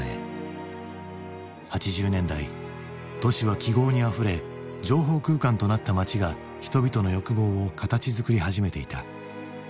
８０年代都市は記号にあふれ情報空間となった街が人々の欲望を形づくり始めていた。